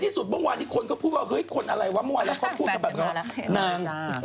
ที่พี่ชมใส่ไหมพรองนิดหนึ่ง